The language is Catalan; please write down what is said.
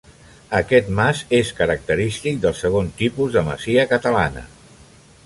Aquest mas és característic del segon tipus de masia catalana.